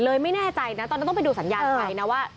ไม่แน่ใจนะตอนนั้นต้องไปดูสัญญาณไฟนะว่า